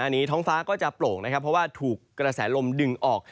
อันนี้ท้องฟ้าก็จะโปร่งนะครับเพราะว่าถูกกระแสลมดึงออก